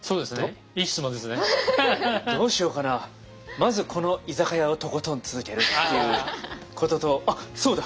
まずこの居酒屋をとことん続けるっていうこととあっそうだ！